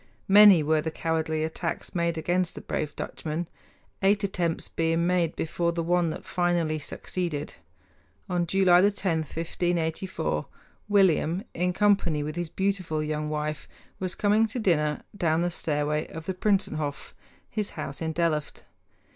Many were the cowardly attacks made against the brave Dutchman, eight attempts being made before the one that finally succeeded. On July 10, 1584, William, in company with his beautiful young wife, was coming to dinner down the stairway of the Prinsenhof his house in Delft.